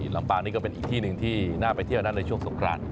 ลำปางนี่ก็เป็นอีกที่หนึ่งที่น่าไปเที่ยวนะในช่วงสงคราน